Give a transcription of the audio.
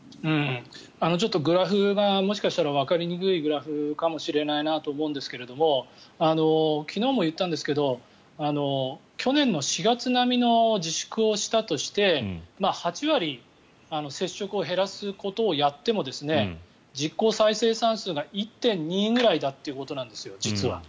ちょっとグラフがもしかしたらわかりにくいグラフなのかなと思うんですが昨日も言ったんですけど去年の４月並みの自粛をしたとして８割接触を減らすことをやっても実効再生産数が１．２ぐらいだということなんです。